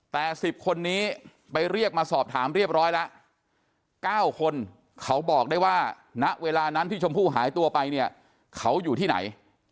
แต่๑๐คนนี้ไปเรียกมาสอบถามเรียบร้อยแล้ว๙คนเขาบอกได้ว่าณเวลานั้นที่ชมพู่หายตัวไปเนี่ยเขาอยู่ที่ไหน